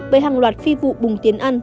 với hàng loạt phi vụ bùng tiền ăn